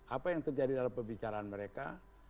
apa yang terjadi dalam pembicaraan mereka